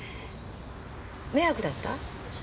迷惑だった？